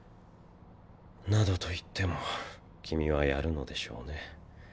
などと言っても君はやるのでしょうね。